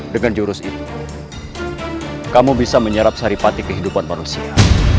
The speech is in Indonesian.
dengan jurus itu kamu bisa menyerap saripati kehidupan manusia